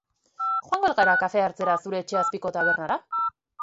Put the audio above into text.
Joango al gara kafea hartzera zure etxe azpiko tabernara?